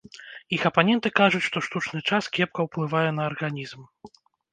Іх апаненты кажуць, што штучны час кепка ўплывае на арганізм.